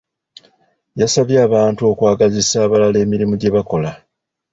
Yasabye abantu okwagazisa abalala emirimu gye bakola.